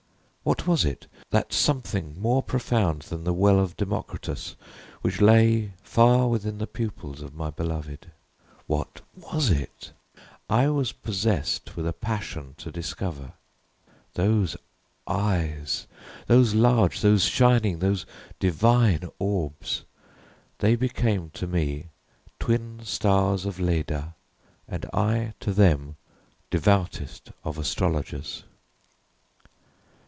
What was it that something more profound than the well of Democritus which lay far within the pupils of my beloved? What was it? I was possessed with a passion to discover. Those eyes! those large, those shining, those divine orbs! they became to me twin stars of Leda, and I to them devoutest of astrologers.